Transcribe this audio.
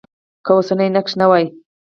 که اوسنی نقش نه وای.